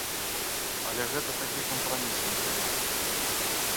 Але гэта такі кампрамісны варыянт.